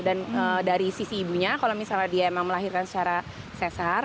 dan dari sisi ibunya kalau misalnya dia emang melahirkan secara sesar